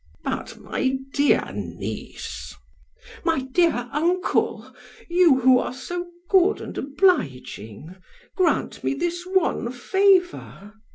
"But, my dear niece " "My dear uncle, you who are so good and obliging, grant me this one favor.